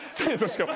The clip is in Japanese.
しかも。